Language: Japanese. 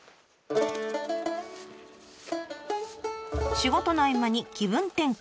仕事の合間に気分転換。